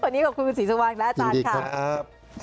วันนี้ขอบคุณศรีสุวรรณและอาจารย์ค่ะยินดีครับ